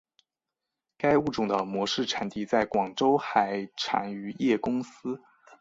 该物种的模式产地在广州海产渔业公司。